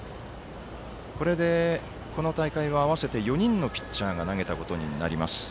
これで、この大会は合わせて４人のピッチャーが投げたことになります。